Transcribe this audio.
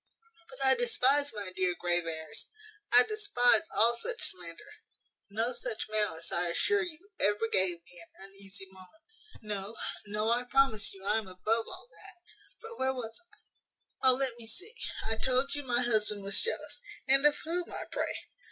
But I despise, my dear Graveairs, I despise all such slander. No such malice, I assure you, ever gave me an uneasy moment. No, no, I promise you I am above all that. But where was I? O let me see, I told you my husband was jealous And of whom, I pray?